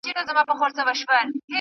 پانګوال نظام يوازي خپله ګټه ګوري.